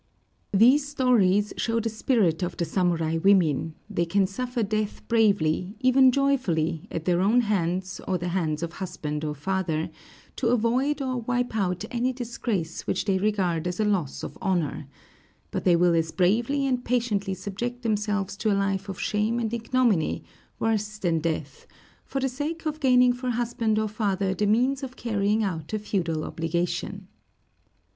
These stories show the spirit of the samurai women; they can suffer death bravely, even joyfully, at their own hands or the hands of husband or father, to avoid or wipe out any disgrace which they regard as a loss of honor; but they will as bravely and patiently subject themselves to a life of shame and ignominy, worse than death, for the sake of gaining for husband or father the means of carrying out a feudal obligation.